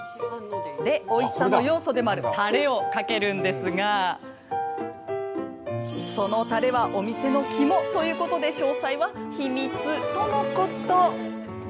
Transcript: で、おいしさの要素でもあるたれをかけるんですがその、たれはお店の肝ともいうことで詳細は秘密とのこと。